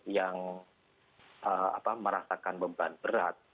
yang merasakan beban berat